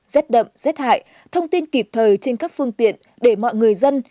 rất đậm rất hại thông tin kịp thời trên các phương tiện để mọi người dân